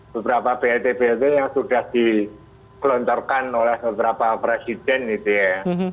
beberapa belt belt yang sudah dikelontorkan oleh beberapa presiden itu ya